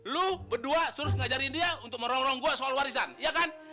lu berdua terus ngajarin dia untuk merongrong gue soal warisan iya kan